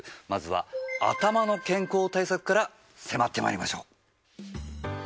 まずは頭の健康対策から迫ってまいりましょう。